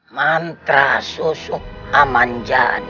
mantra susu amanjani